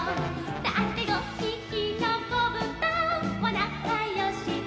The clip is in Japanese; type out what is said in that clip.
「だってごひきのこぶたはなかよしで」